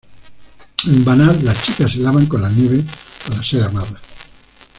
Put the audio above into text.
En Banat las chicas se lavan con la nieve para ser amadas.